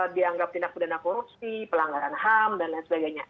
dianggap tindak pidana korupsi pelanggaran ham dan lain sebagainya